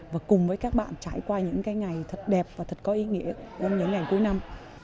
và cùng với các bạn trải qua những ngày thật đẹp và thật có ý nghĩa trong những ngày cuối năm